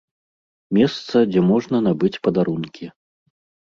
Месца, дзе можна набыць падарункі.